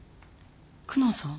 久能さん？